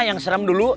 yang serem dulu